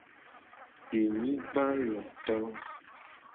Denyigbaloto.